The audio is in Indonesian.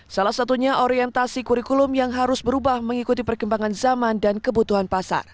salah satunya orientasi kurikulum yang harus berubah mengikuti perkembangan zaman dan kebutuhan pasar